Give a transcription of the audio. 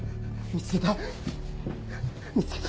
み見つけた！